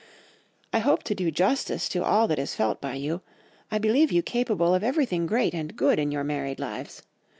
I hope to do justice to all that is felt by you—I believe you capable of everything great and good in your married lives.